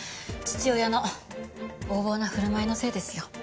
父親の横暴な振る舞いのせいですよ。